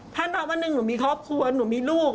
ถ้านับวันหนึ่งหนูมีครอบครัวหนูมีลูก